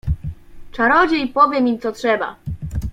— Czarodziej powie mi, co trzeba.